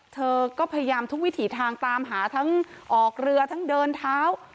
เธอก็พยายามทุกวิถีทางตามหาทั้งออกเรือทั้งเดินเท้า